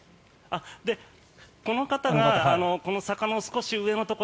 この方がこの坂の少し上のところ